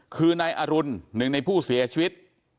คือนายอรุณหนึ่งในผู้เสียชีวิต